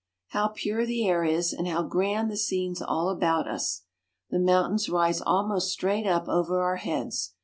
How pure the air is, and how grand the scenes all about us! The mountains rise almost straight up over our heads.